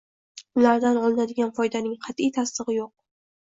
ulardan olinadigan foydaning qat’iy tasdig‘i yo‘q.